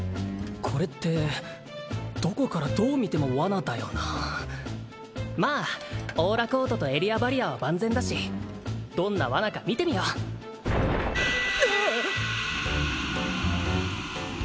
これってどこからどう見ても罠だよなまあオーラコートとエリアバリアは万全だしどんな罠か見てみようわあっ！